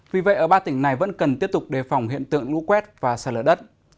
vì vậy ở ba tỉnh này vẫn cần tiếp tục đề phòng hiện tượng lũ quét và sạt lở đất